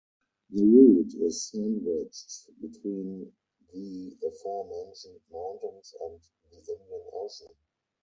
The Route is sandwiched between the aforementioned mountains and the Indian Ocean.